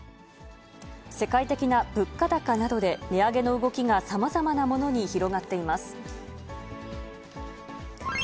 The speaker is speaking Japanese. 世界的な物価高などで値上げの動きがさまざまなものに広がっています。